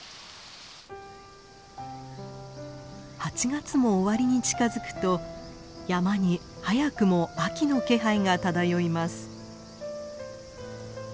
８月も終わりに近づくと山に早くも秋の気配が漂います。